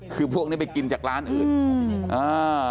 คือพวกนี้ไปกินจากร้านอื่นอืมอ่า